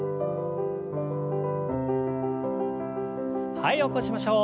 はい起こしましょう。